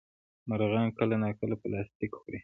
مرغان کله ناکله پلاستيک خوري.